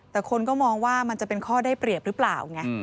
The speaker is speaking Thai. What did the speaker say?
แต่คนก็มองว่ามันจะเป็นข้อได้เปรียบหรือเปล่าไง